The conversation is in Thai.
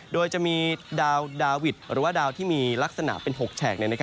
โดยจะมีดาวดาวิทหรือว่าดาวที่มีลักษณะเป็น๖แฉก